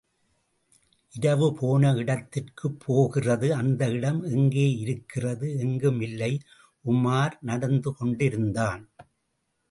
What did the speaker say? இரவு போன இடத்திற்குப்போகிறது. அந்த இடம் எங்கே இருக்கிறது. எங்கும் இல்லை. உமார் நடந்துகொண்டிருந்தான்.